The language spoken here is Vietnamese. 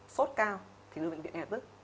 sốt cao thì người bệnh viện hẹp dứt